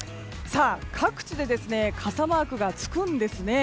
各地で傘マークがつくんですね。